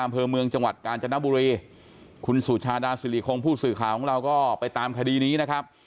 อำเภอเมืองจังหวัดกาญจนบุรีคุณสุชาดาสิริคงผู้สื่อข่าวของเราก็ไปตามคดีนี้นะครับ